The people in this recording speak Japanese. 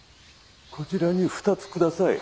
こちらに２つ下さい。